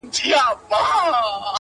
د پریان لوري. د هرات او ګندارا لوري.